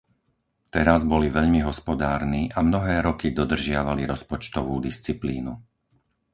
Teraz boli veľmi hospodárni a mnohé roky dodržiavali rozpočtovú disciplínu.